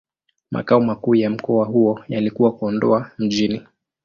Makao makuu ya mkoa huo yalikuwa Kondoa Mjini.